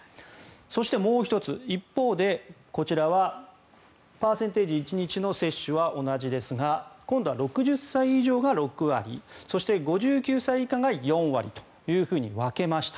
そして、もう１つ一方でこちらはパーセンテージ、１日の接種は同じですが今度は６０歳以上が６割そして５９歳以下が４割というふうに分けました。